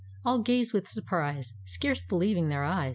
All gaze with surprise, Scarce believing their eyes.